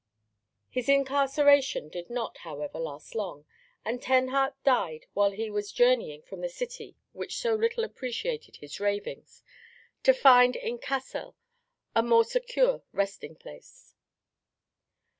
His incarceration did not, however, last long, and Tennhart died while he was journeying from the city which so little appreciated his ravings to find in Cassel a more secure resting place.